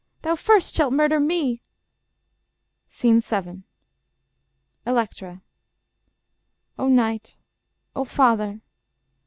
Thou first shalt murder me. SCENE VII ELECTRA Elec. O night! ... O father!